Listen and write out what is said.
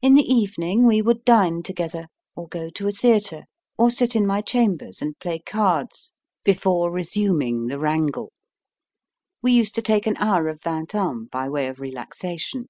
In the evening we would dine together, or go to a theatre, or sit in my chambers and play cards before resuming 14 MY FIRST BOOK the wrangle we used to take an hour of Vingt un, by way of relaxation.